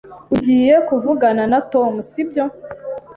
Ugiye kuvugana na Tom, sibyo?